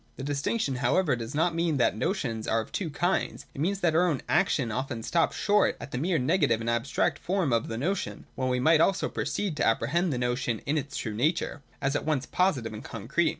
The distinction however does not mean that notions are of two kinds. It means that our own action often stops short at the mere negative and abstract form of the notion, when we might also have proceeded to apprehend the notion in its true nature, as at once positive and concrete.